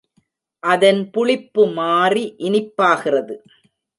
அதன் புளிப்பு மாறி இனிப்பாகிறது.